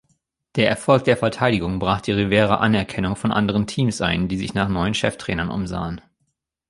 Der Erfolg der Verteidigung brachte Rivera Anerkennung von anderen Teams ein, die sich nach neuen Cheftrainern umsahen.